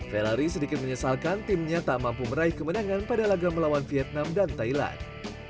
fellari sedikit menyesalkan timnya tak mampu meraih kemenangan pada laga melawan vietnam dan thailand